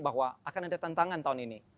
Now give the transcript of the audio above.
bahwa akan ada tantangan tahun ini